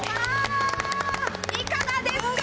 いかがですか？